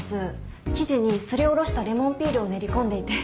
生地にすりおろしたレモンピールを練り込んでいて。